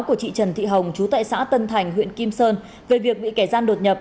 của chị trần thị hồng chú tại xã tân thành huyện kim sơn về việc bị kẻ gian đột nhập